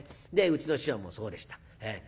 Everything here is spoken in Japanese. でうちの師匠もそうでした。